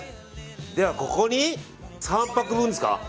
では、ここに３パック分ですか。